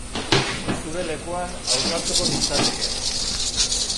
Ni zure lekuan ausartuko nintzateke.